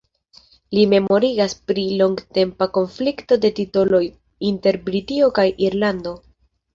Li memorigas pri longtempa konflikto de titoloj inter Britio kaj Irlando.